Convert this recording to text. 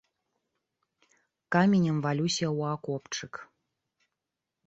Каменем валюся ў акопчык.